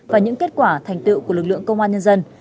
và những kết quả thành tựu của lực lượng công an nhân dân